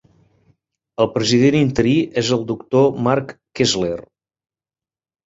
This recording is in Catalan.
El president interí és el Doctor Mark Kessler.